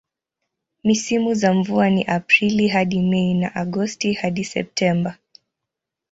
Misimu za mvua ni Aprili hadi Mei na Agosti hadi Septemba.